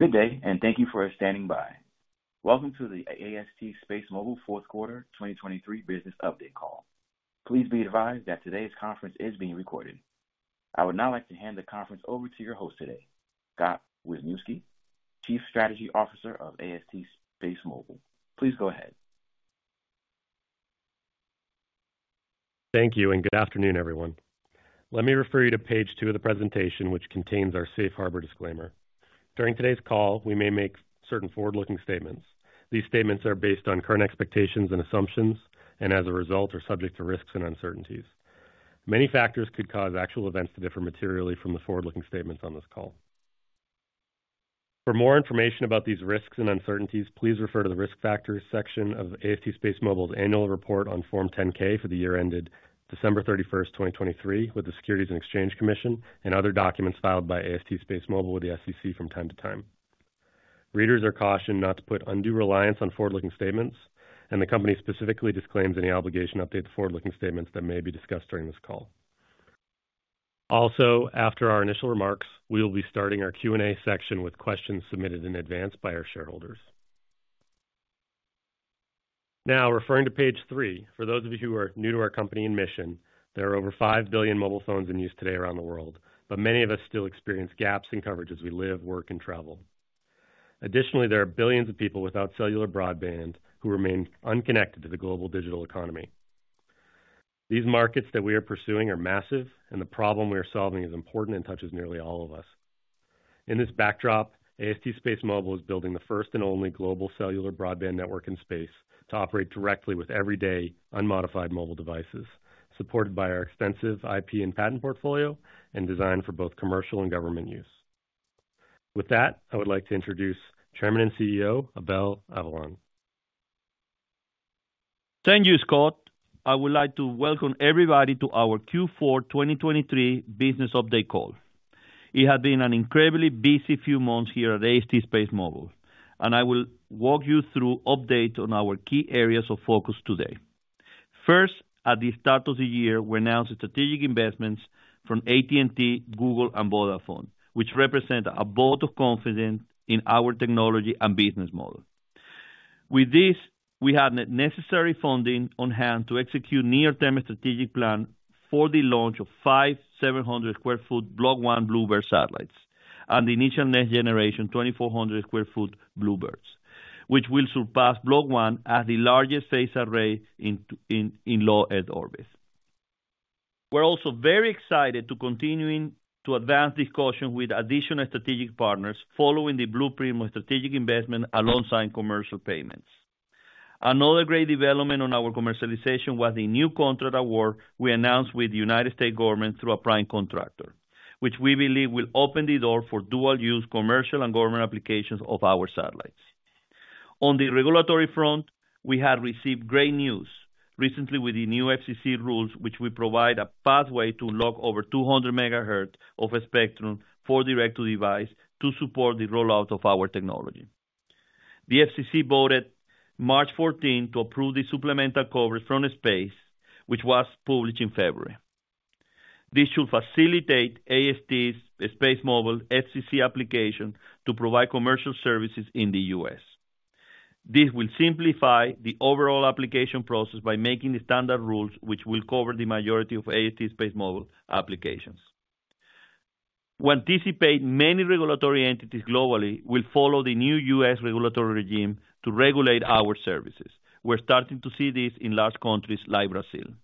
Good day, and thank you for standing by. Welcome to the AST SpaceMobile fourth quarter 2023 business update call. Please be advised that today's conference is being recorded. I would now like to hand the conference over to your host today, Scott Wisniewski, Chief Strategy Officer of AST SpaceMobile. Please go ahead. Thank you, and good afternoon, everyone. Let me refer you to page 2 of the presentation, which contains our Safe Harbor disclaimer. During today's call, we may make certain forward-looking statements. These statements are based on current expectations and assumptions, and as a result are subject to risks and uncertainties. Many factors could cause actual events to differ materially from the forward-looking statements on this call. For more information about these risks and uncertainties, please refer to the Risk Factors section of AST SpaceMobile's annual report on Form 10-K for the year ended December 31, 2023, with the Securities and Exchange Commission and other documents filed by AST SpaceMobile with the SEC from time to time. Readers are cautioned not to put undue reliance on forward-looking statements, and the company specifically disclaims any obligation to update the forward-looking statements that may be discussed during this call. Also, after our initial remarks, we will be starting our Q&A section with questions submitted in advance by our shareholders. Now, referring to page 3, for those of you who are new to our company and mission, there are over 5 billion mobile phones in use today around the world, but many of us still experience gaps in coverage as we live, work, and travel. Additionally, there are billions of people without cellular broadband who remain unconnected to the global digital economy. These markets that we are pursuing are massive, and the problem we are solving is important and touches nearly all of us. In this backdrop, AST SpaceMobile is building the first and only global cellular broadband network in space to operate directly with everyday, unmodified mobile devices, supported by our extensive IP and patent portfolio and designed for both commercial and government use. With that, I would like to introduce Chairman and CEO Abel Avellan. Thank you, Scott. I would like to welcome everybody to our Q4 2023 business update call. It has been an incredibly busy few months here at AST SpaceMobile, and I will walk you through updates on our key areas of focus today. First, at the start of the year, we announced strategic investments from AT&T, Google, and Vodafone, which represent a vote of confidence in our technology and business model. With this, we had necessary funding on hand to execute a near-term strategic plan for the launch of 5 700-sq-ft Block 1 BlueBird satellites and the initial next-generation 2,400-sq-ft BlueBirds, which will surpass Block 1 as the largest phased array in low Earth orbit. We're also very excited to continue to advance discussions with additional strategic partners following the blueprint of strategic investment alongside commercial payments. Another great development on our commercialization was the new contract award we announced with the U.S. Government through a prime contractor, which we believe will open the door for dual-use commercial and government applications of our satellites. On the regulatory front, we have received great news recently with the new FCC rules, which we provide a pathway to lock over 200 megahertz of a spectrum for direct-to-device to support the rollout of our technology. The FCC voted March 14 to approve the supplemental coverage from space, which was published in February. This should facilitate AST SpaceMobile's FCC application to provide commercial services in the U.S. This will simplify the overall application process by making the standard rules, which will cover the majority of AST SpaceMobile applications. We anticipate many regulatory entities globally will follow the new U.S. regulatory regime to regulate our services. We're starting to see this in large countries like Brazil.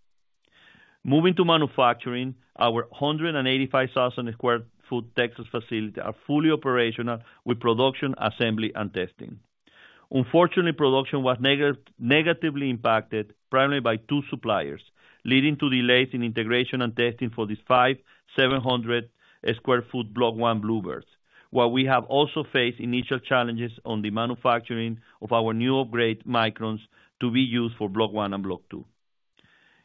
Moving to manufacturing, our 185,000 sq ft Texas facilities are fully operational with production, assembly, and testing. Unfortunately, production was negatively impacted primarily by two suppliers, leading to delays in integration and testing for these five 700 sq ft Block 1 BlueBirds, while we have also faced initial challenges on the manufacturing of our new upgrade Microns to be used for Block 1 and Block 2.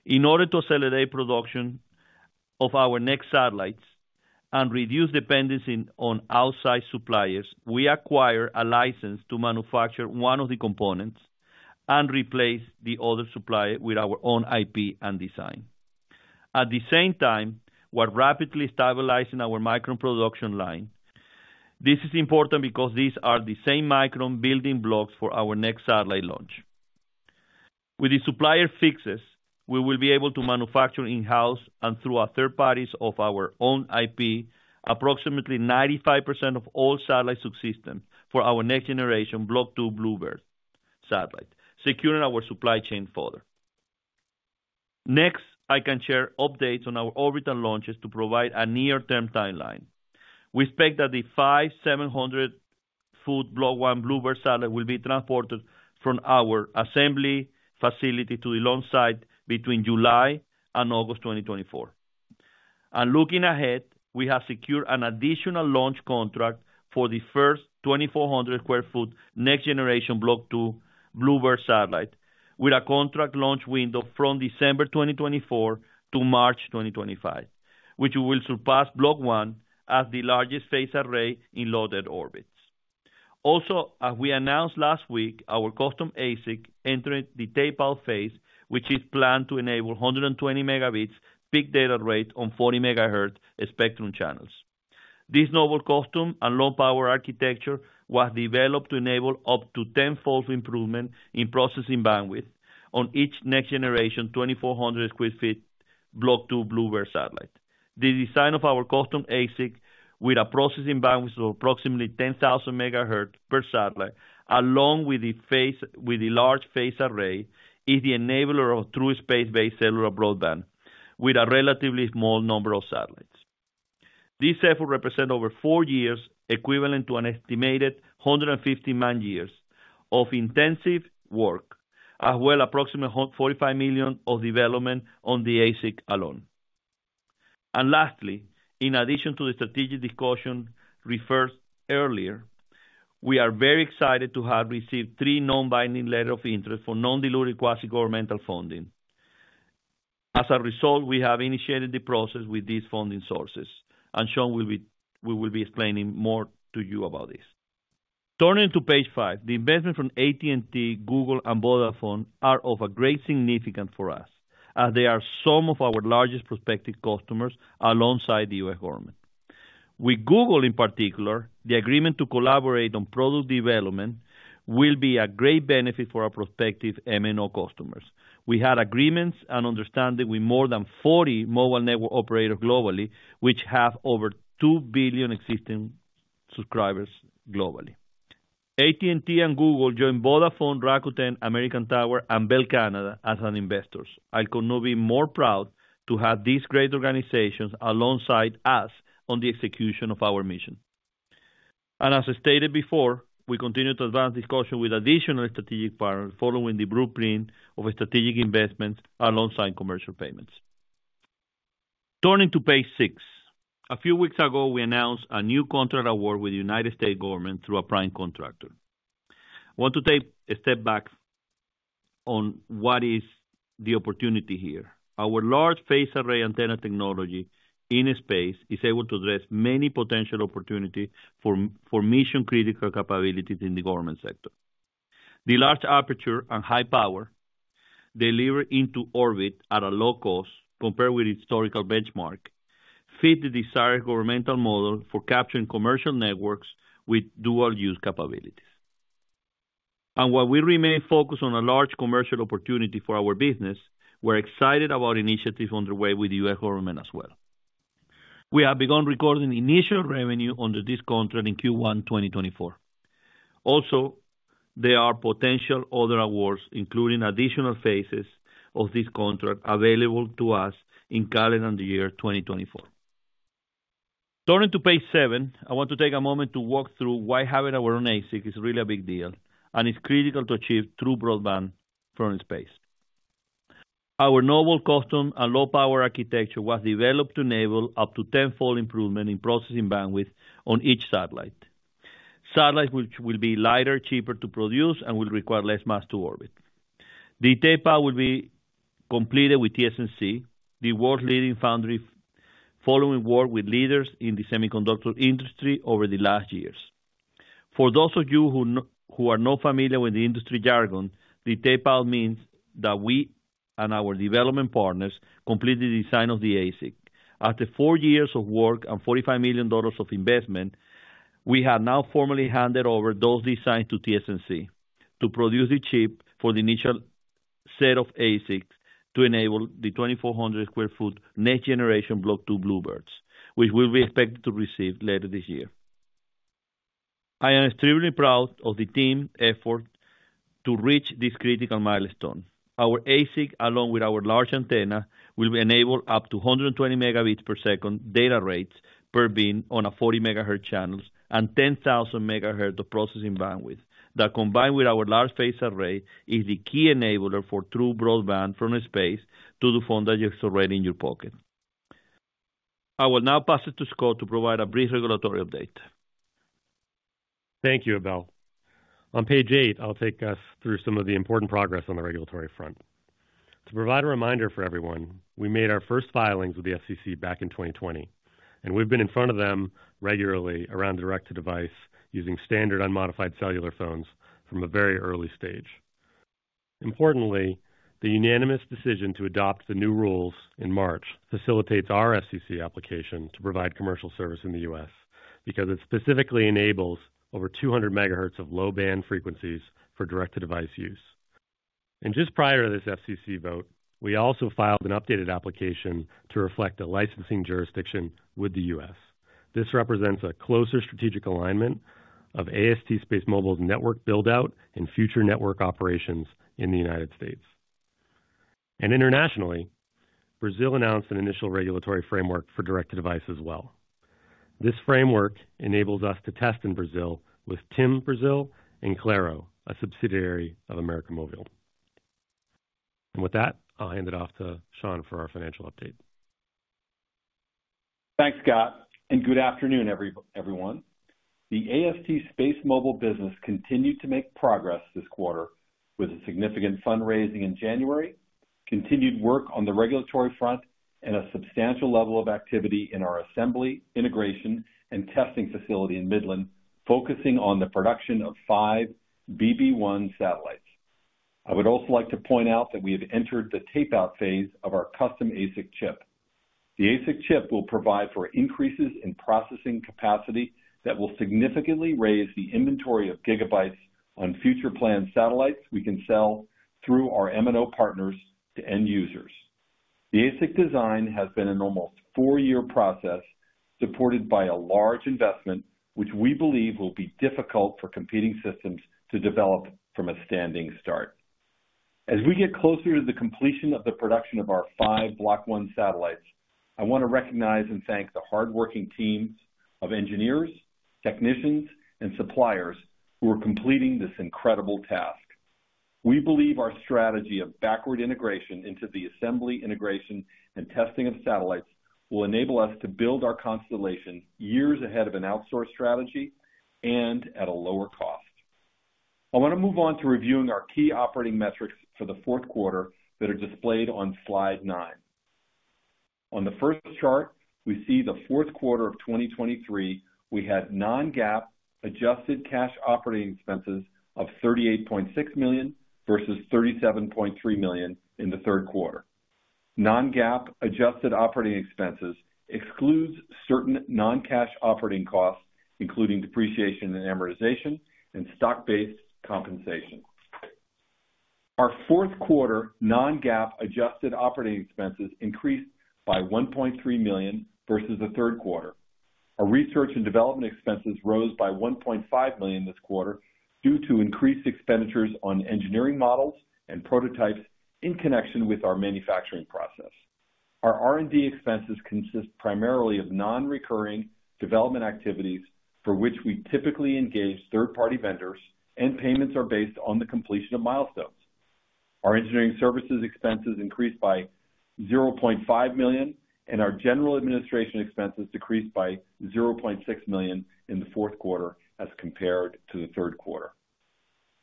In order to accelerate production of our next satellites and reduce dependency on outside suppliers, we acquired a license to manufacture one of the components and replace the other supplier with our own IP and design. At the same time, we're rapidly stabilizing our micron production line. This is important because these are the same micron building blocks for our next satellite launch. With the supplier fixes, we will be able to manufacture in-house and through third parties of our own IP approximately 95% of all satellite subsystems for our next-generation Block 2 BlueBird satellite, securing our supply chain further. Next, I can share updates on our orbit and launches to provide a near-term timeline. We expect that the five 700-foot Block 1 BlueBird satellites will be transported from our assembly facility to the launch site between July and August 2024. Looking ahead, we have secured an additional launch contract for the first 2,400-sq-ft next-generation Block 2 BlueBird satellite with a contract launch window from December 2024 to March 2025, which will surpass Block 1 as the largest phased array in low Earth orbits. As we announced last week, our custom ASIC entered the tape-out phase, which is planned to enable 120 Mbps peak data rate on 40 MHz spectrum channels. This novel custom and low-power architecture was developed to enable up to tenfold improvement in processing bandwidth on each next-generation 2,400-sq-ft Block 2 BlueBird satellite. The design of our custom ASIC with a processing bandwidth of approximately 10,000 MHz per satellite, along with the large phased array, is the enabler of true space-based cellular broadband with a relatively small number of satellites. This effort represents over four years, equivalent to an estimated 150 man-years of intensive work, as well as approximately $45 million of development on the ASIC alone. Lastly, in addition to the strategic discussion referred to earlier, we are very excited to have received three non-binding letters of interest for non-dilutive quasi-governmental funding. As a result, we have initiated the process with these funding sources, and Sean will be explaining more to you about this. Turning to page 5, the investments from AT&T, Google, and Vodafone are of great significance for us, as they are some of our largest prospective customers alongside the U.S. government. With Google, in particular, the agreement to collaborate on product development will be a great benefit for our prospective MNO customers. We had agreements and understandings with more than 40 mobile network operators globally, which have over 2 billion existing subscribers globally. AT&T and Google joined Vodafone, Rakuten, American Tower, and Bell Canada as investors. I could not be more proud to have these great organizations alongside us on the execution of our mission. As stated before, we continue to advance discussions with additional strategic partners following the blueprint of strategic investments alongside commercial payments. Turning to page 6, a few weeks ago, we announced a new contract award with the United States government through a prime contractor. I want to take a step back on what is the opportunity here. Our large phased array antenna technology in space is able to address many potential opportunities for mission-critical capabilities in the government sector. The large aperture and high power delivered into orbit at a low cost compared with historical benchmarks fit the desired governmental model for capturing commercial networks with dual-use capabilities. While we remain focused on a large commercial opportunity for our business, we're excited about initiatives underway with the U.S. government as well. We have begun recording initial revenue under this contract in Q1 2024. Also, there are potential other awards, including additional phases of this contract, available to us in calendar year 2024. Turning to page 7, I want to take a moment to walk through why having our own ASIC is really a big deal and is critical to achieve true broadband from space. Our novel custom and low-power architecture was developed to enable up to tenfold improvement in processing bandwidth on each satellite. Satellites will be lighter, cheaper to produce, and will require less mass to orbit. The tape-out will be completed with TSMC, the world-leading foundry following work with leaders in the semiconductor industry over the last years. For those of you who are not familiar with the industry jargon, the tape-out means that we and our development partners completed the design of the ASIC. After four years of work and $45 million of investment, we have now formally handed over those designs to TSMC to produce the chip for the initial set of ASICs to enable the 2,400-sq-ft next-generation Block 2 Bluebirds, which will be expected to receive later this year. I am extremely proud of the team's effort to reach this critical milestone. Our ASIC, along with our large antenna, will enable up to 120 Mbps data rates per bin on 40 MHz channels and 10,000 MHz of processing bandwidth that, combined with our large phased array, is the key enabler for true broadband from space to the phone that you're already in your pocket. I will now pass it to Scott to provide a brief regulatory update. Thank you, Abel. On page 8, I'll take us through some of the important progress on the regulatory front. To provide a reminder for everyone, we made our first filings with the FCC back in 2020, and we've been in front of them regularly around direct-to-device using standard unmodified cellular phones from a very early stage. Importantly, the unanimous decision to adopt the new rules in March facilitates our FCC application to provide commercial service in the U.S. because it specifically enables over 200 megahertz of low-band frequencies for direct-to-device use. Just prior to this FCC vote, we also filed an updated application to reflect a licensing jurisdiction with the U.S. This represents a closer strategic alignment of AST SpaceMobile's network buildout and future network operations in the United States. Internationally, Brazil announced an initial regulatory framework for direct-to-device as well. This framework enables us to test in Brazil with TIM Brasil and Claro, a subsidiary of América Móvil. With that, I'll hand it off to Sean for our financial update. Thanks, Scott, and good afternoon, everyone. The AST SpaceMobile business continued to make progress this quarter with significant fundraising in January, continued work on the regulatory front, and a substantial level of activity in our assembly, integration, and testing facility in Midland, focusing on the production of 5 BB-1 satellites. I would also like to point out that we have entered the tape-out phase of our custom ASIC chip. The ASIC chip will provide for increases in processing capacity that will significantly raise the inventory of gigabytes on future planned satellites we can sell through our M&O partners to end users. The ASIC design has been an almost 4-year process supported by a large investment, which we believe will be difficult for competing systems to develop from a standing start. As we get closer to the completion of the production of our five Block 1 satellites, I want to recognize and thank the hardworking teams of engineers, technicians, and suppliers who are completing this incredible task. We believe our strategy of backward integration into the assembly, integration, and testing of satellites will enable us to build our constellation years ahead of an outsourced strategy and at a lower cost. I want to move on to reviewing our key operating metrics for the fourth quarter that are displayed on slide 9. On the first chart, we see the fourth quarter of 2023. We had non-GAAP adjusted cash operating expenses of $38.6 million versus $37.3 million in the third quarter. Non-GAAP adjusted operating expenses exclude certain non-cash operating costs, including depreciation and amortization, and stock-based compensation. Our fourth quarter non-GAAP adjusted operating expenses increased by $1.3 million versus the third quarter. Our research and development expenses rose by $1.5 million this quarter due to increased expenditures on engineering models and prototypes in connection with our manufacturing process. Our R&D expenses consist primarily of non-recurring development activities for which we typically engage third-party vendors, and payments are based on the completion of milestones. Our engineering services expenses increased by $0.5 million, and our general administration expenses decreased by $0.6 million in the fourth quarter as compared to the third quarter.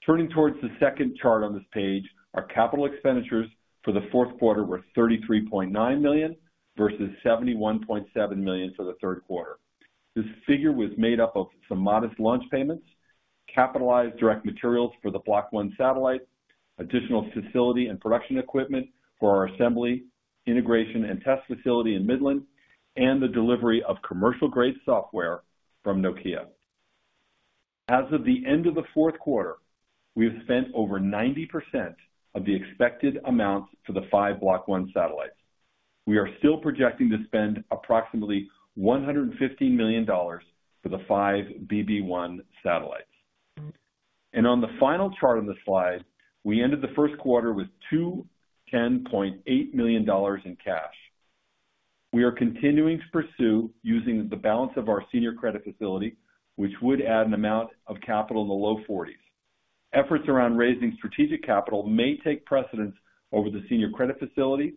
Turning towards the second chart on this page, our capital expenditures for the fourth quarter were $33.9 million versus $71.7 million for the third quarter. This figure was made up of some modest launch payments, capitalized direct materials for the Block 1 satellite, additional facility and production equipment for our assembly, integration, and test facility in Midland, and the delivery of commercial-grade software from Nokia. As of the end of the fourth quarter, we have spent over 90% of the expected amounts for the five Block 1 satellites. We are still projecting to spend approximately $115 million for the five BB-1 satellites. On the final chart on this slide, we ended the first quarter with $210.8 million in cash. We are continuing to pursue using the balance of our senior credit facility, which would add an amount of capital in the low $40s million. Efforts around raising strategic capital may take precedence over the senior credit facility,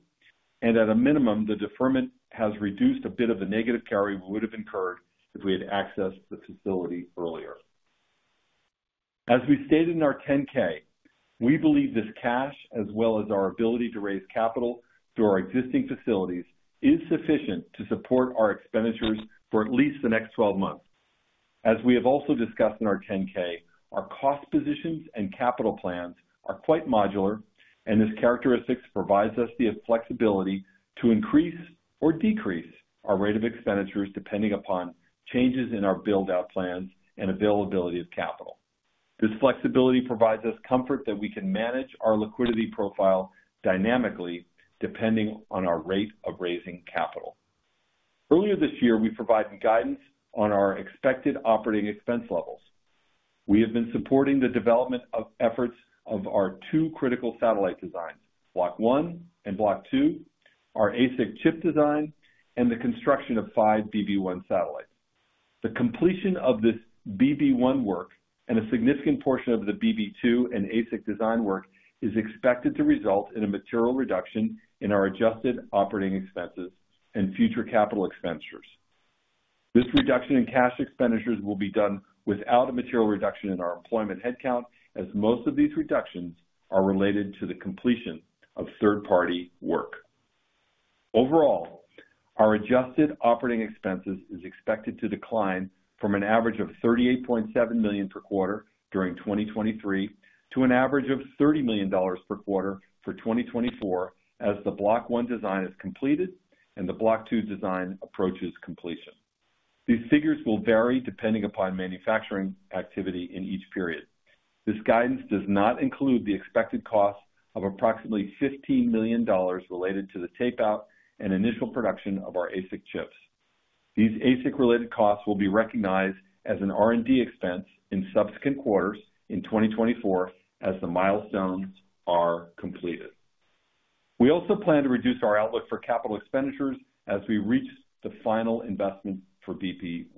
and at a minimum, the deferment has reduced a bit of the negative carry we would have incurred if we had accessed the facility earlier. As we stated in our 10-K, we believe this cash, as well as our ability to raise capital through our existing facilities, is sufficient to support our expenditures for at least the next 12 months. As we have also discussed in our 10-K, our cost positions and capital plans are quite modular, and this characteristic provides us the flexibility to increase or decrease our rate of expenditures depending upon changes in our buildout plans and availability of capital. This flexibility provides us comfort that we can manage our liquidity profile dynamically depending on our rate of raising capital. Earlier this year, we provided guidance on our expected operating expense levels. We have been supporting the development of efforts of our two critical satellite designs, Block 1 and Block 2, our ASIC chip design, and the construction of 5 BB-1 satellites. The completion of this BB-1 work and a significant portion of the BB-2 and ASIC design work is expected to result in a material reduction in our adjusted operating expenses and future capital expenditures. This reduction in cash expenditures will be done without a material reduction in our employment headcount, as most of these reductions are related to the completion of third-party work. Overall, our adjusted operating expenses are expected to decline from an average of $38.7 million per quarter during 2023 to an average of $30 million per quarter for 2024 as the Block 1 design is completed and the Block 2 design approaches completion. These figures will vary depending upon manufacturing activity in each period. This guidance does not include the expected costs of approximately $15 million related to the tape-out and initial production of our ASIC chips. These ASIC-related costs will be recognized as an R&D expense in subsequent quarters in 2024 as the milestones are completed. We also plan to reduce our outlook for capital expenditures as we reach the final investment for BB-1.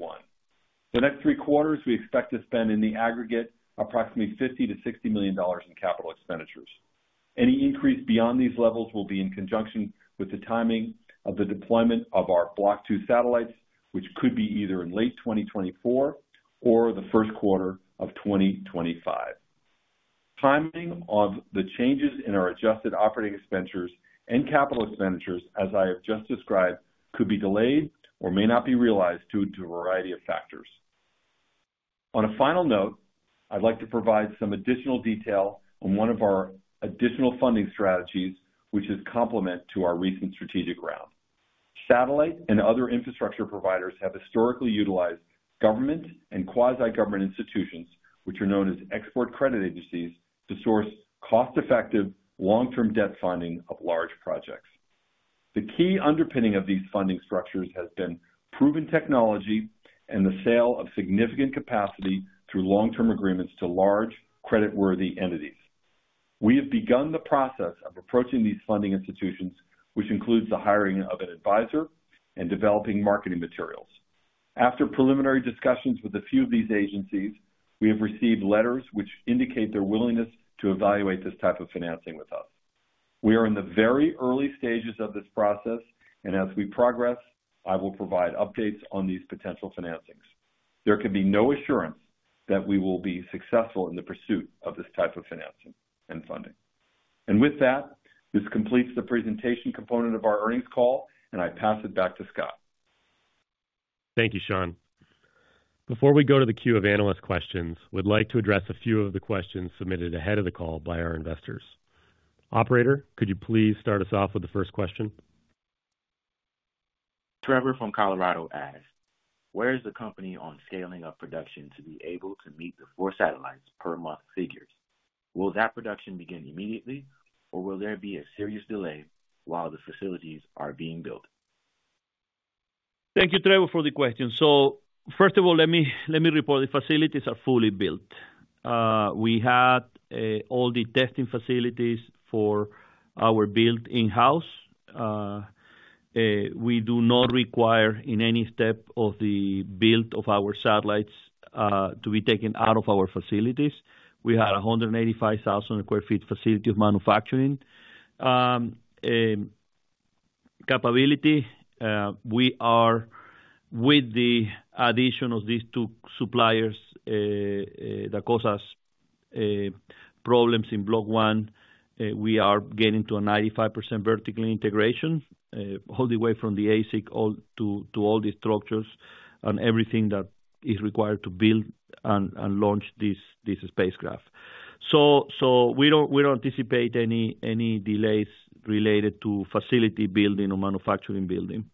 The next three quarters, we expect to spend in the aggregate approximately $50-$60 million in capital expenditures. Any increase beyond these levels will be in conjunction with the timing of the deployment of our Block 2 satellites, which could be either in late 2024 or the first quarter of 2025. Timing of the changes in our adjusted operating expenditures and capital expenditures, as I have just described, could be delayed or may not be realized due to a variety of factors. On a final note, I'd like to provide some additional detail on one of our additional funding strategies, which is a complement to our recent strategic round. Satellite and other infrastructure providers have historically utilized government and quasi-government institutions, which are known as export credit agencies, to source cost-effective, long-term debt funding of large projects. The key underpinning of these funding structures has been proven technology and the sale of significant capacity through long-term agreements to large, credit-worthy entities. We have begun the process of approaching these funding institutions, which includes the hiring of an advisor and developing marketing materials. After preliminary discussions with a few of these agencies, we have received letters which indicate their willingness to evaluate this type of financing with us. We are in the very early stages of this process, and as we progress, I will provide updates on these potential financings. There can be no assurance that we will be successful in the pursuit of this type of financing and funding. With that, this completes the presentation component of our earnings call, and I pass it back to Scott. Thank you, Sean. Before we go to the queue of analyst questions, we'd like to address a few of the questions submitted ahead of the call by our investors. Operator, could you please start us off with the first question? Trevor from Colorado asks, "Where is the company on scaling up production to be able to meet the 4 satellites per month figures? Will that production begin immediately, or will there be a serious delay while the facilities are being built? Thank you, Trevor, for the question. So first of all, let me report the facilities are fully built. We had all the testing facilities for our build in-house. We do not require in any step of the build of our satellites to be taken out of our facilities. We had a 185,000 sq ft facility of manufacturing capability. With the addition of these two suppliers that caused us problems in Block 1, we are getting to a 95% vertical integration all the way from the ASIC to all the structures and everything that is required to build and launch this spacecraft. So we don't anticipate any delays related to facility building or manufacturing building.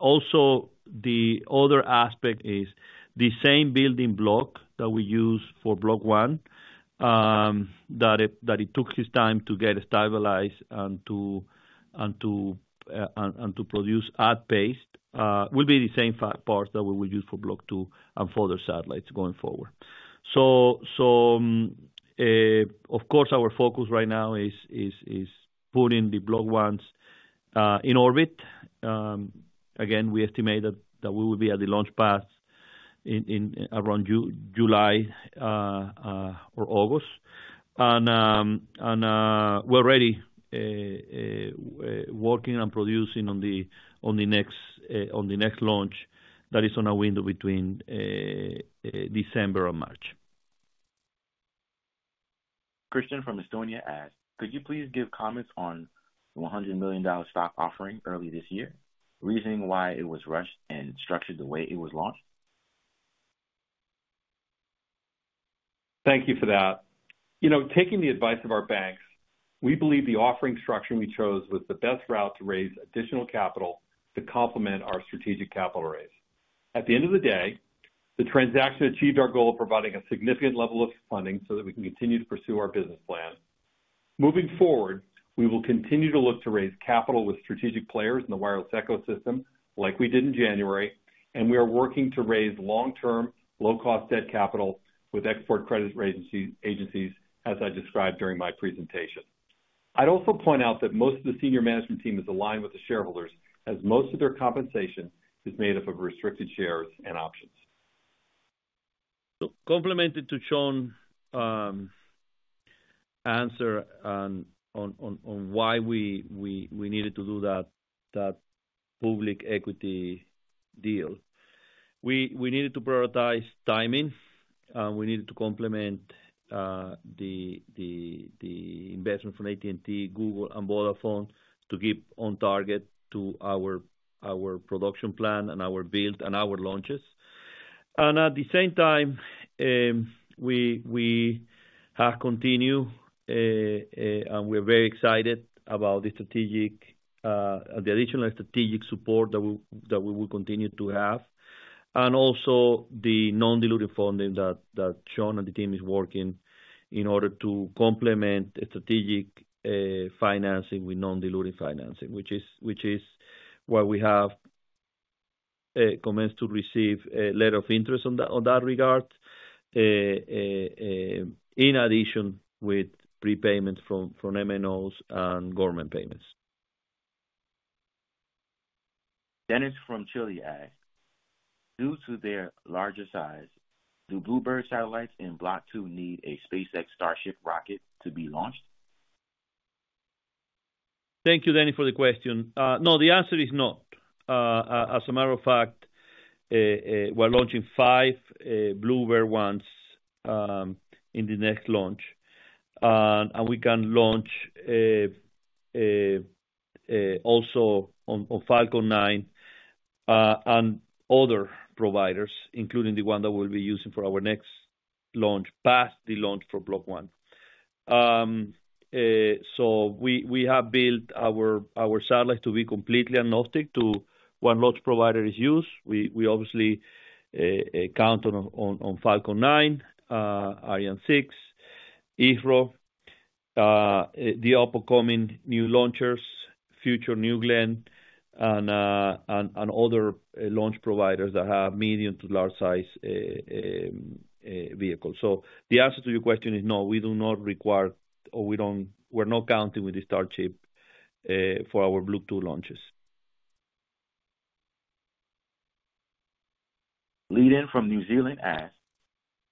Also, the other aspect is the same building block that we use for Block 1, that it took his time to get stabilized and to produce at pace, will be the same parts that we will use for Block 2 and for other satellites going forward. So of course, our focus right now is putting the Block 1s in orbit. Again, we estimate that we will be at the launch pad around July or August. And we're already working and producing on the next launch that is on a window between December and March. Christian from Estonia asks, "Could you please give comments on the $100 million stock offering early this year, reasoning why it was rushed and structured the way it was launched? Thank you for that. Taking the advice of our banks, we believe the offering structure we chose was the best route to raise additional capital to complement our strategic capital raise. At the end of the day, the transaction achieved our goal of providing a significant level of funding so that we can continue to pursue our business plan. Moving forward, we will continue to look to raise capital with strategic players in the wireless ecosystem like we did in January, and we are working to raise long-term, low-cost debt capital with export credit agencies, as I described during my presentation. I'd also point out that most of the senior management team is aligned with the shareholders as most of their compensation is made up of restricted shares and options. So complementing to Sean's answer on why we needed to do that public equity deal, we needed to prioritize timing. We needed to complement the investment from AT&T, Google, and Vodafone to keep on target to our production plan and our build and our launches. And at the same time, we have continued, and we are very excited about the additional strategic support that we will continue to have, and also the non-diluting funding that Sean and the team is working in order to complement strategic financing with non-diluting financing, which is why we have commenced to receive a letter of interest on that regard in addition with prepayments from MNOs and government payments. Dennis from Chile asks, "Due to their larger size, do BlueBird satellites in Block 2 need a SpaceX Starship rocket to be launched? Thank you, Dennis, for the question. No, the answer is not. As a matter of fact, we're launching five BlueBird ones in the next launch, and we can launch also on Falcon 9 and other providers, including the one that we'll be using for our next launch past the launch for Block 1. So we have built our satellites to be completely agnostic to what launch provider is used. We obviously count on Falcon 9, Ariane 6, ISRO, the upcoming new launchers, future New Glenn, and other launch providers that have medium to large-sized vehicles. So the answer to your question is no, we do not require or we're not counting with the Starship for our Block 2 launches. Leland from New Zealand asks,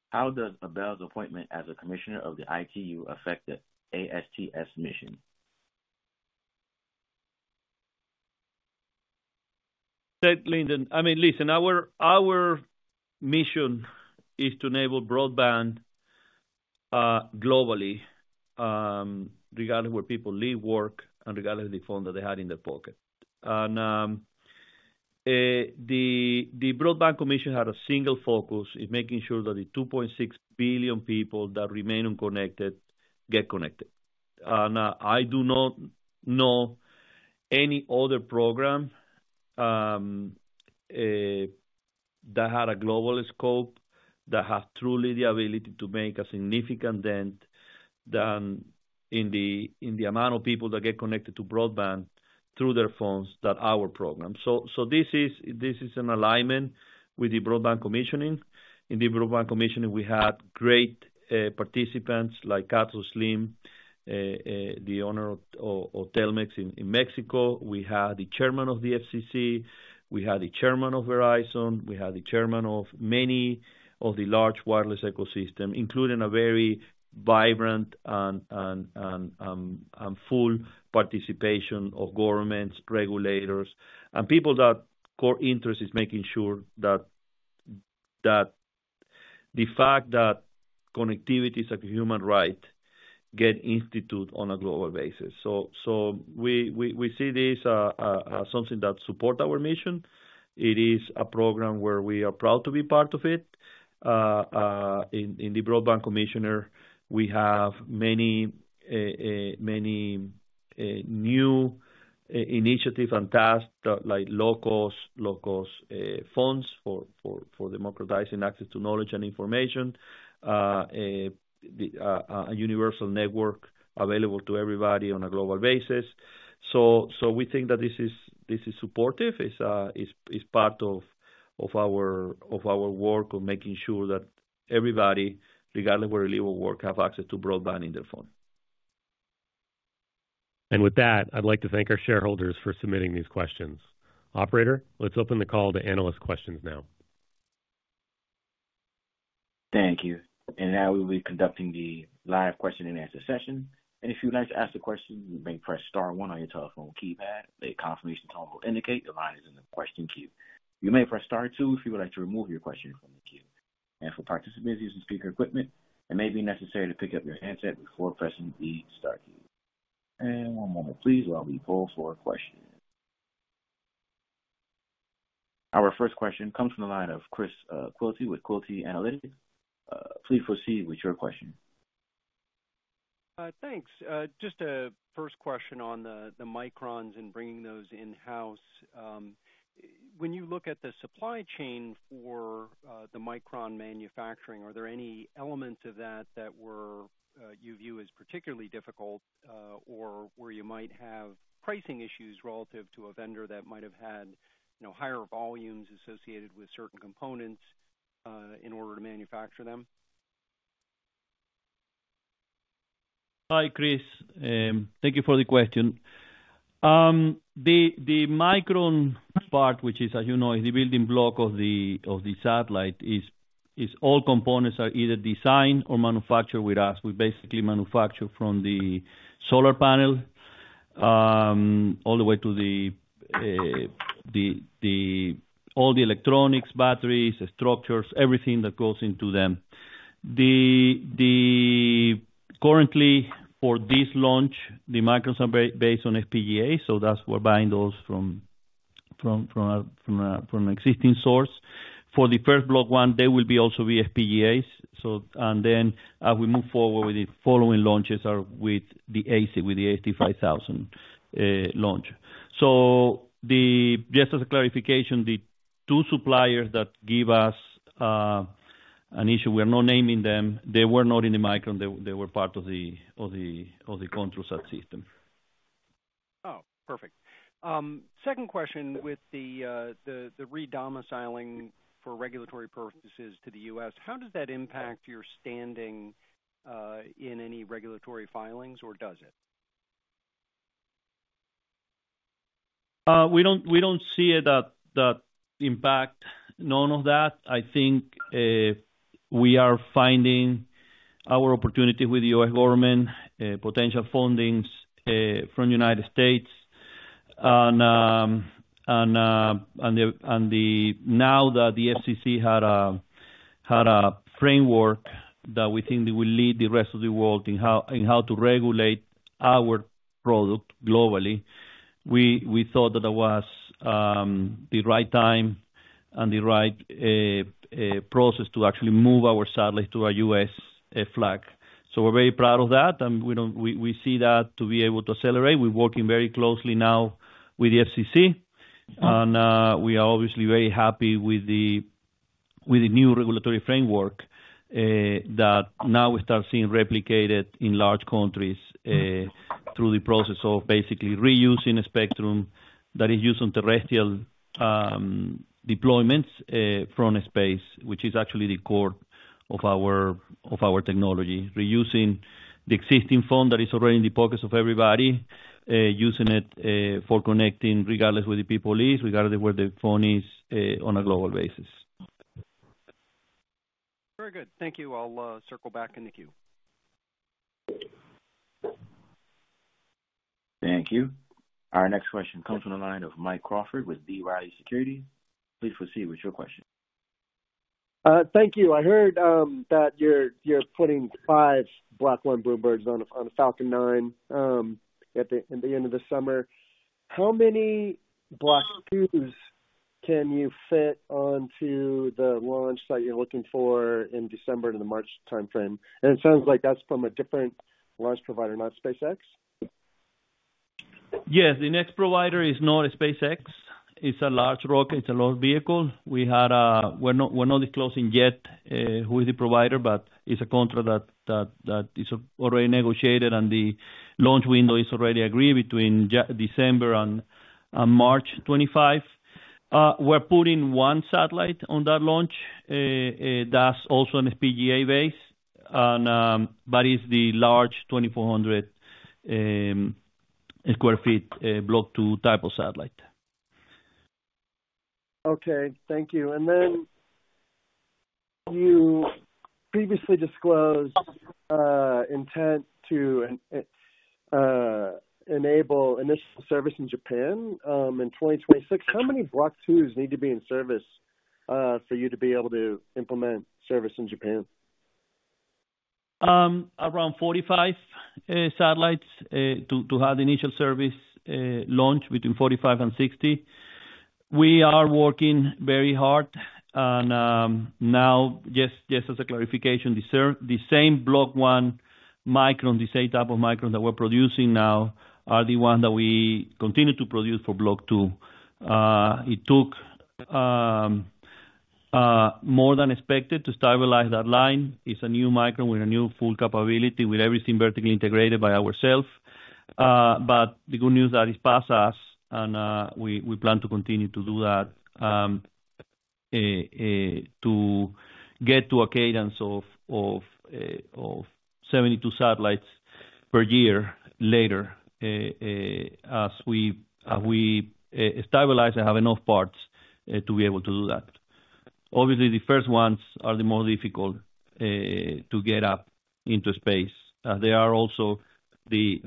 "How does Abel's appointment as a commissioner of the ITU affect the ASTS mission? I mean, listen, our mission is to enable broadband globally regardless of where people live, work, and regardless of the phone that they have in their pocket. The Broadband Commission has a single focus: it's making sure that the 2.6 billion people that remain unconnected get connected. I do not know any other program that had a global scope that has truly the ability to make a significant dent in the amount of people that get connected to broadband through their phones than our program. So this is an alignment with the Broadband Commission. In the Broadband Commission, we had great participants like Carlos Slim, the owner of Telmex in Mexico. We had the chairman of the FCC. We had the chairman of Verizon. We had the chairman of many of the large wireless ecosystem, including a very vibrant and full participation of governments, regulators, and people that core interest is making sure that the fact that connectivity is a human right gets instituted on a global basis. So we see this as something that supports our mission. It is a program where we are proud to be part of it. In the broadband commissioner, we have many new initiatives and tasks like low-cost funds for democratizing access to knowledge and information, a universal network available to everybody on a global basis. So we think that this is supportive. It's part of our work of making sure that everybody, regardless of where they live or work, has access to broadband in their phone. With that, I'd like to thank our shareholders for submitting these questions. Operator, let's open the call to analyst questions now. Thank you. Now we will be conducting the live question-and-answer session. If you would like to ask a question, you may press Star 1 on your telephone keypad. The confirmation tone will indicate the line is in the question queue. You may press Star 2 if you would like to remove your question from the queue. For participants using speaker equipment, it may be necessary to pick up your handset before pressing the Star key. One moment, please, while we pull for questions. Our first question comes from the line of Chris Quilty with Quilty Analytics. Please proceed with your question. Thanks. Just a first question on the Microns and bringing those in-house. When you look at the supply chain for the micron manufacturing, are there any elements of that that you view as particularly difficult or where you might have pricing issues relative to a vendor that might have had higher volumes associated with certain components in order to manufacture them? Hi, Chris. Thank you for the question. The module part, which is, as you know, the building block of the satellite, all components are either designed or manufactured with us. We basically manufacture from the solar panel all the way to all the electronics, batteries, structures, everything that goes into them. Currently, for this launch, the modules are based on FPGAs, so that's why we're buying those from an existing source. For the first Block 1, they will also be FPGAs. And then as we move forward with the following launches, we're with the ASIC launch. So just as a clarification, the two suppliers that give us an issue, we are not naming them. They were not in the module. They were part of the control subsystem. Oh, perfect. Second question, with the redomiciling for regulatory purposes to the U.S., how does that impact your standing in any regulatory filings, or does it? We don't see it that impacting none of that. I think we are finding our opportunities with the U.S. government, potential fundings from the United States. And now that the FCC had a framework that we think will lead the rest of the world in how to regulate our product globally, we thought that that was the right time and the right process to actually move our satellites to our U.S. flag. So we're very proud of that, and we see that to be able to accelerate. We're working very closely now with the FCC. We are obviously very happy with the new regulatory framework that now we start seeing replicated in large countries through the process of basically reusing a spectrum that is used on terrestrial deployments from space, which is actually the core of our technology, reusing the existing band that is already in the pockets of everybody, using it for connecting regardless of where the people is, regardless of where the phone is on a global basis. Very good. Thank you. I'll circle back in the queue. Thank you. Our next question comes from the line of Mike Crawford with B. Riley Securities. Please proceed with your question. Thank you. I heard that you're putting 5 Block 1 BlueBirds on Falcon 9 at the end of the summer. How many Block 2s can you fit onto the launch that you're looking for in December to the March timeframe? And it sounds like that's from a different launch provider, not SpaceX. Yes. The next provider is not SpaceX. It's a large rocket. It's a large vehicle. We're not disclosing yet who is the provider, but it's a contract that is already negotiated, and the launch window is already agreed between December and March 25. We're putting one satellite on that launch that's also an FPGA-based, but it's the large 2,400 sq ft Block 2 type of satellite. Okay. Thank you. And then you previously disclosed intent to enable initial service in Japan in 2026. How many Block 2s need to be in service for you to be able to implement service in Japan? Around 45 satellites to have the initial service launch between 45 and 60. We are working very hard. And now, just as a clarification, the same Block 1 micron, the same type of micron that we're producing now, are the ones that we continue to produce for Block 2. It took more than expected to stabilize that line. It's a new micron with a new full capability, with everything vertically integrated by ourselves. But the good news is that it's past us, and we plan to continue to do that to get to a cadence of 72 satellites per year later as we stabilize and have enough parts to be able to do that. Obviously, the first ones are the more difficult to get up into space. They are also the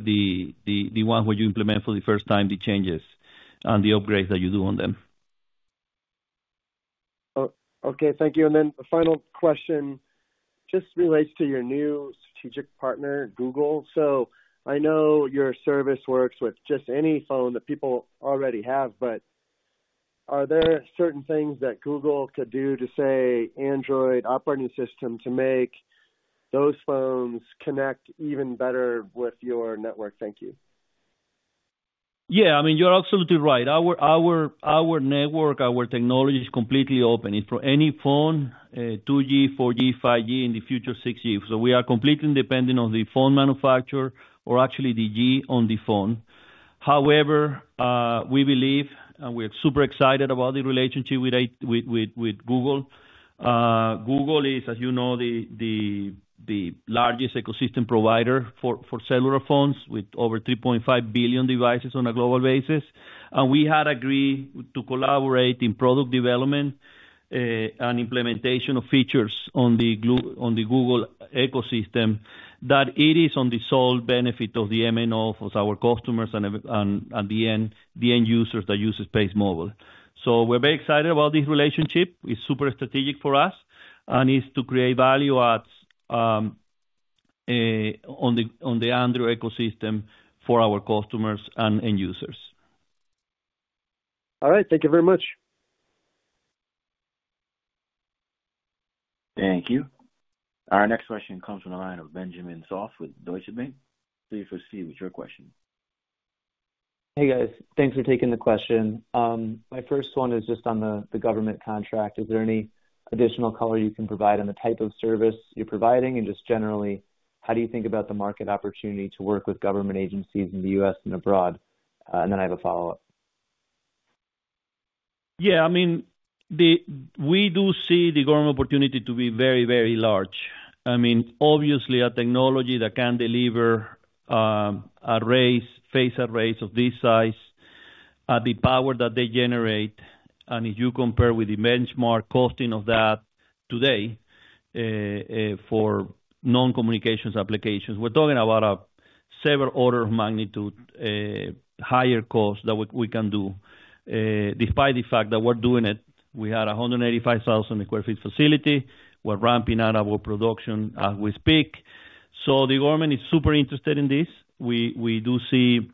ones where you implement for the first time the changes and the upgrades that you do on them. Okay. Thank you. Then the final question just relates to your new strategic partner, Google. So I know your service works with just any phone that people already have, but are there certain things that Google could do to, say, Android operating system, to make those phones connect even better with your network? Thank you. Yeah. I mean, you're absolutely right. Our network, our technology is completely open. It's for any phone, 2G, 4G, 5G, in the future, 6G. So we are completely independent of the phone manufacturer or actually the G on the phone. However, we believe, and we're super excited about the relationship with Google. Google is, as you know, the largest ecosystem provider for cellular phones with over 3.5 billion devices on a global basis. And we had agreed to collaborate in product development and implementation of features on the Google ecosystem that it is on the sole benefit of the MNO of our customers and, at the end, the end users that use SpaceMobile. So we're very excited about this relationship. It's super strategic for us, and it's to create value on the Android ecosystem for our customers and end users. All right. Thank you very much. Thank you. Our next question comes from the line of Benjamin Soff with Deutsche Bank. Please proceed with your question. Hey, guys. Thanks for taking the question. My first one is just on the government contract. Is there any additional color you can provide on the type of service you're providing? And just generally, how do you think about the market opportunity to work with government agencies in the U.S. and abroad? And then I have a follow-up. Yeah. I mean, we do see the government opportunity to be very, very large. I mean, obviously, a technology that can deliver phased arrays of this size, the power that they generate, and if you compare with the benchmark costing of that today for non-communications applications, we're talking about several orders of magnitude higher cost that we can do. Despite the fact that we're doing it, we had 185,000 sq ft facility. We're ramping up our production as we speak. So the government is super interested in this. We do see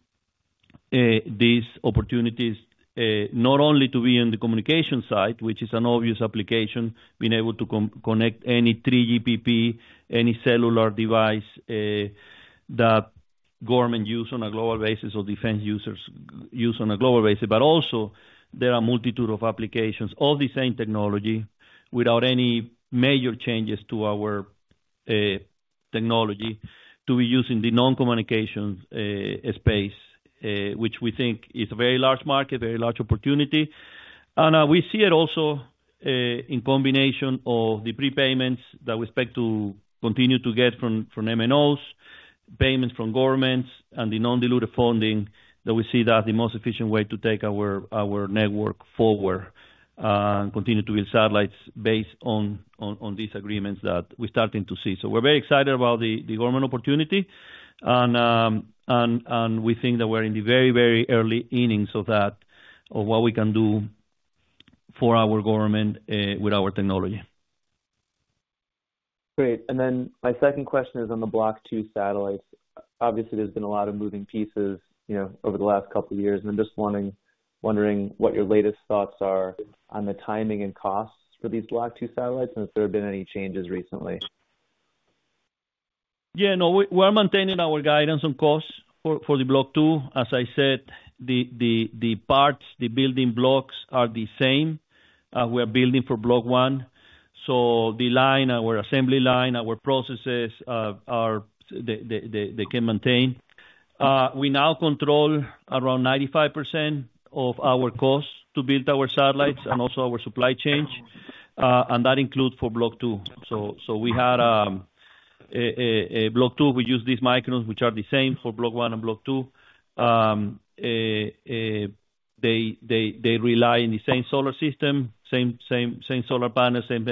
these opportunities not only to be on the communication side, which is an obvious application, being able to connect any 3GPP, any cellular device that government use on a global basis or defense users use on a global basis, but also there are a multitude of applications of the same technology without any major changes to our technology to be used in the non-communications space, which we think is a very large market, very large opportunity. We see it also in combination of the prepayments that we expect to continue to get from M&Os, payments from governments, and the non-dilutive funding that we see that's the most efficient way to take our network forward and continue to build satellites based on these agreements that we're starting to see. So we're very excited about the government opportunity, and we think that we're in the very, very early innings of that, of what we can do for our government with our technology. Great. And then my second question is on the Block 2 satellites. Obviously, there's been a lot of moving pieces over the last couple of years. And I'm just wondering what your latest thoughts are on the timing and costs for these Block 2 satellites and if there have been any changes recently. Yeah. No. We are maintaining our guidance on costs for the Block 2. As I said, the parts, the building blocks are the same as we are building for Block 1. So the line, our assembly line, our processes, they can maintain. We now control around 95% of our costs to build our satellites and also our supply chain. And that includes for Block 2. So we had Block 2, we used these Microns, which are the same for Block 1 and Block 2. They rely on the same solar system, same solar panels, same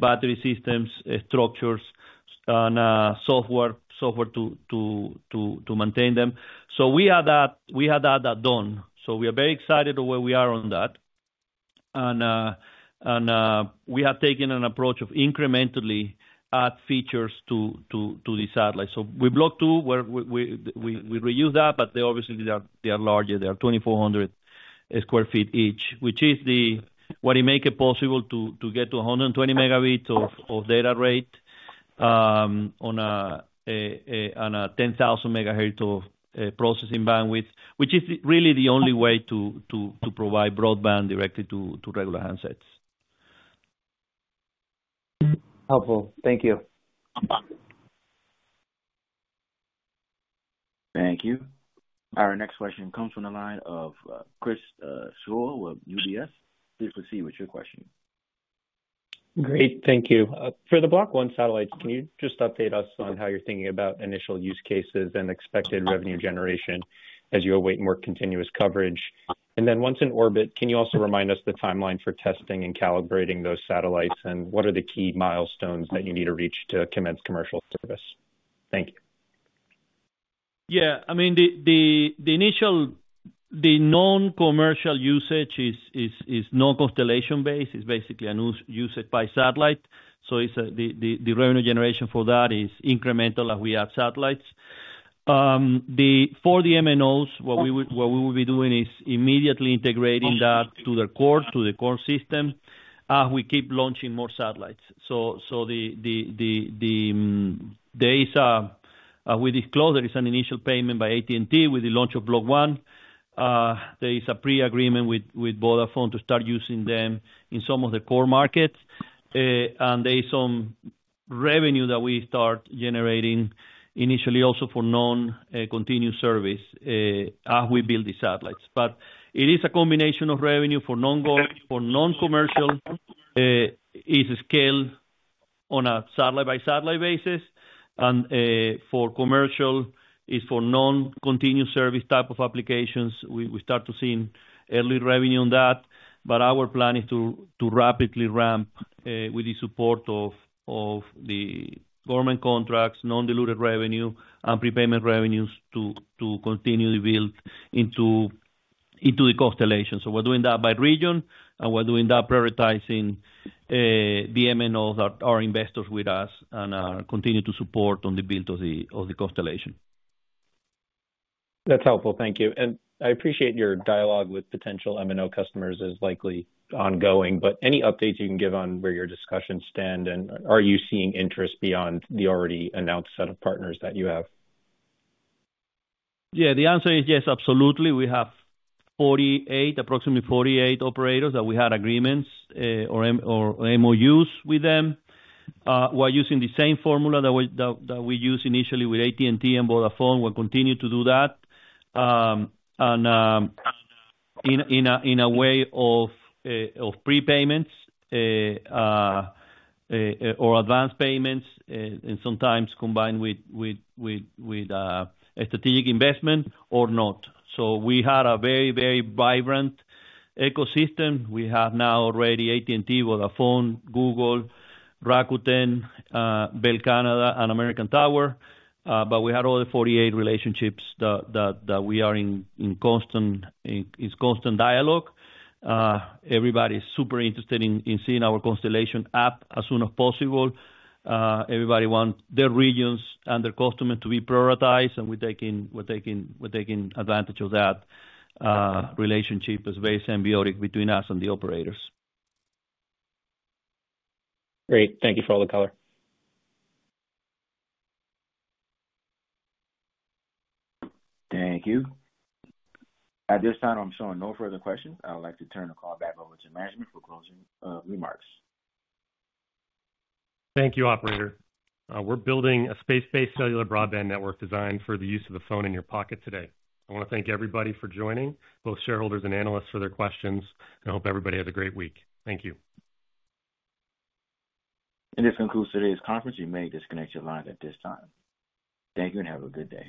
battery systems, structures, and software to maintain them. So we had that done. So we are very excited to where we are on that. And we have taken an approach of incrementally adding features to these satellites. So with Block 2, we reuse that, but obviously, they are larger. They are 2,400 sq ft each, which is what it makes possible to get to 120 Mbps of data rate on a 10,000-MHz of processing bandwidth, which is really the only way to provide broadband directly to regular handsets. Helpful. Thank you. Thank you. Our next question comes from the line of Chris Snyder with UBS. Please proceed with your question. Great. Thank you. For the Block 1 satellites, can you just update us on how you're thinking about initial use cases and expected revenue generation as you await more continuous coverage? And then once in orbit, can you also remind us the timeline for testing and calibrating those satellites, and what are the key milestones that you need to reach to commence commercial service? Thank you. Yeah. I mean, the non-commercial usage is not constellation-based. It's basically a new usage-by-satellite. So the revenue generation for that is incremental as we add satellites. For the MNOs, what we will be doing is immediately integrating that to the core, to the core system as we keep launching more satellites. So there is, we disclosed, there is an initial payment by AT&T with the launch of Block 1. There is a pre-agreement with Vodafone to start using them in some of the core markets. And there is some revenue that we start generating initially also for non-continuous service as we build these satellites. But it is a combination of revenue for non-commercial is scaled on a satellite-by-satellite basis. And for commercial, it's for non-continuous service type of applications. We start to see early revenue on that. Our plan is to rapidly ramp with the support of the government contracts, non-dilutive revenue, and prepayment revenues to continue the build into the constellation. We're doing that by region, and we're doing that prioritizing the MNOs that are investors with us and continue to support on the build of the constellation. That's helpful. Thank you. And I appreciate your dialogue with potential MNO customers is likely ongoing. But any updates you can give on where your discussions stand, and are you seeing interest beyond the already announced set of partners that you have? Yeah. The answer is yes, absolutely. We have approximately 48 operators that we had agreements or MOUs with them. We're using the same formula that we used initially with AT&T and Vodafone. We'll continue to do that. And in a way of prepayments or advance payments, and sometimes combined with strategic investment or not. So we had a very, very vibrant ecosystem. We have now already AT&T, Vodafone, Google, Rakuten, Bell Canada, and American Tower. But we have all the 48 relationships that we are in constant dialogue. Everybody is super interested in seeing our constellation up as soon as possible. Everybody wants their regions and their customers to be prioritized, and we're taking advantage of that relationship as very symbiotic between us and the operators. Great. Thank you for all the color. Thank you. At this time, I'm showing no further questions. I would like to turn the call back over to management for closing remarks. Thank you, operator. We're building a space-based cellular broadband network designed for the use of a phone in your pocket today. I want to thank everybody for joining, both shareholders and analysts, for their questions, and hope everybody has a great week. Thank you. This concludes today's conference. You may disconnect your lines at this time. Thank you, and have a good day.